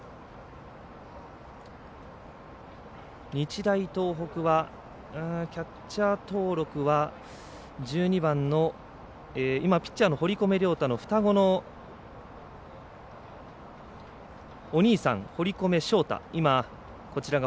日大東北は、キャッチャー登録は１２番の今ピッチャーの堀米涼太と双子のお兄さん、堀米翔太。